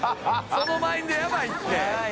そのマインドヤバイって。